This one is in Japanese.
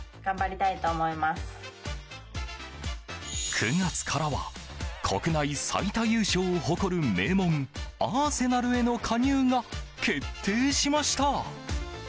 ９月からは国内最多優勝を誇る名門アーセナルへの加入が決定しました。